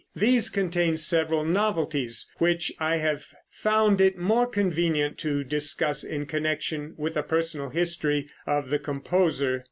These contain several novelties, which I have found it more convenient to discuss in connection with the personal history of the composer.